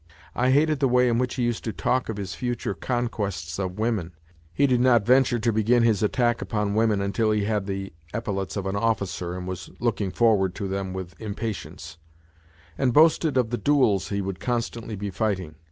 I hated the way in which he used to talk of his future conquests of women (he did not venture to begin his attack upon women until he had the epaulettes of an officer, and was looking forward to them with impatience), and boasted of the duels he would constantly be fighting.